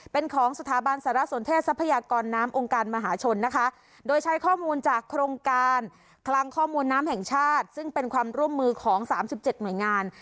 เป็นของสถาบันสารสนเทศทรัพยากรน้ำองค์การมหาชนนะคะโดยใช้ข้อมูลจากโครงการคลังข้อมูลน้ำแห่งชาติซึ่งเป็นความร่วมมือของสามสิบเจ็ดหน่วยงาน